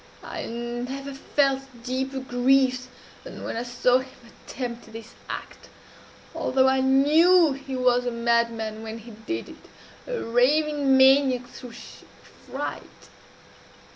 I never felt deeper grief than when I saw him attempt this act although I new he was a madman when he did it a raving maniac through sheer fright.